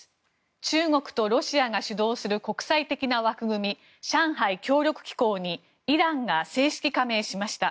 中国とロシアが主導する国際的な枠組み上海協力機構にイランが正式加盟しました。